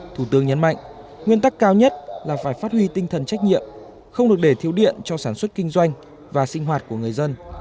thủ tướng nhấn mạnh nguyên tắc cao nhất là phải phát huy tinh thần trách nhiệm không được để thiếu điện cho sản xuất kinh doanh và sinh hoạt của người dân